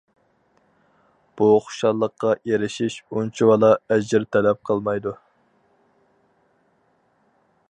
بۇ خۇشاللىققا ئېرىشىش ئۇنچىۋالا ئەجىر تەلەپ قىلمايدۇ.